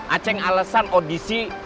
aceh yang alesan audisi